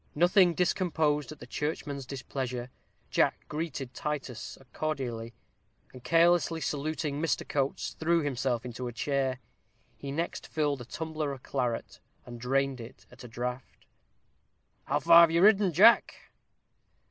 Nothing discomposed at the churchman's displeasure, Jack greeted Titus cordially, and carelessly saluting Mr. Coates, threw himself into a chair. He next filled a tumbler of claret, and drained it at a draught. "Have you ridden far, Jack?"